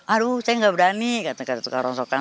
aduh saya gak berani kata kata tukang rongsokan